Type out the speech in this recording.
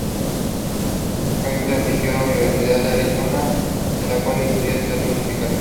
Christine asistió a la Universidad de Arizona, en la cual estudió teatro musical.